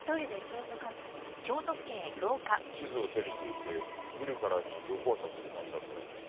地図を手にしていて見るからに旅行者という感じだったらしい。